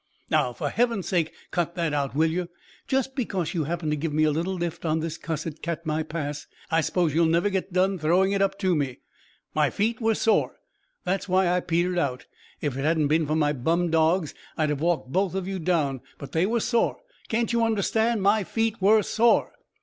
"Now, for Heaven's sake, cut that out, will you? Just because you happened to give me a little lift on this cussed Katmai Pass, I s'pose you'll never get done throwing it up to me. My feet were sore; that's why I petered out. If it hadn't been for my bum 'dogs' I'd have walked both of you down; but they were sore. Can't you understand? _My feet were sore.